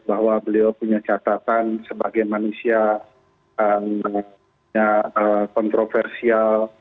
bahwa beliau punya catatan sebagai manusia kontroversial